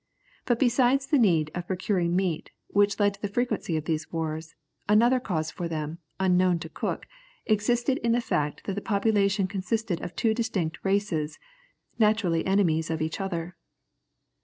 But besides the need of procuring meat, which led to the frequency of these wars, another cause for them, unknown to Cook, existed in the fact that the population consisted of two distinct races, naturally enemies of each other.